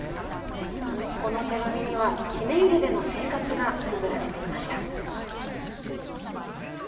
この手紙にはひめゆりでの生活がつづられていました。